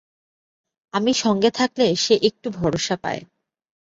আমি সঙ্গে থাকলে সে একটু ভরসা পায়।